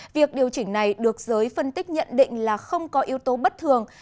việc điều chỉnh này được giới phân tích nhận định là không có yếu tố bất thường